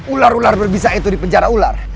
ular ular berbisa itu di penjara ular